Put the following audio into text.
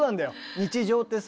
日常ってさ。